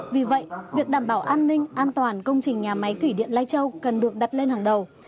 vì vậy việc đảm bảo an ninh an toàn công trình nhà máy thủy điện lai châu cần được đặt lên hàng đầu